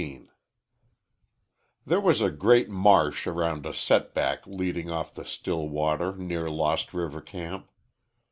XV THERE was a great marsh around a set back leading off the still water near Lost River camp.